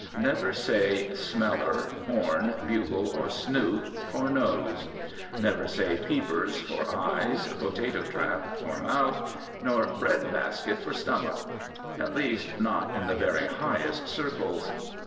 Never say, smeller, horn, bugle, or snoot for nose. Never say peepers for eyes, potato trap for mouth, nor bread basket for stomach, at least not in the very highest circles.